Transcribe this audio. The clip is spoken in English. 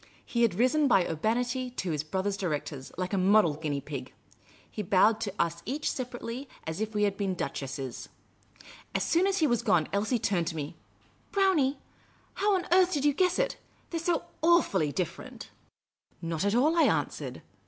He had risen by urbanity to his brother directors, like a model guinea pig. He bowed to us each separately as if we had been duchesses. As soon as he was gone, Elsie turned to me. " Brownie, how on earth did 3'ou guess it? They 're so awfully different!" " Not at all," I an.swered.